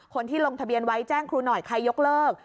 คนที่ลงทะเบียนไว้แจ้งครูหน่อยใครยกเลิก